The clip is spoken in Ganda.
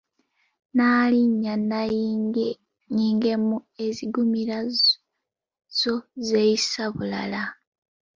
Nnalinnya nnannyingeemu eziggumira, zo zeeyisa bulala.